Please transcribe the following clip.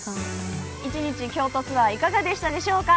一日京都ツアーいかがでしたでしょうか？